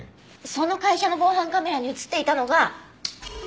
その会社の防犯カメラに映っていたのがこれです。